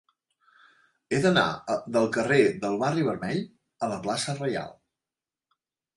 He d'anar del carrer del Barri Vermell a la plaça Reial.